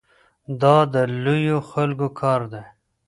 دا د لویو خلکو کار دی.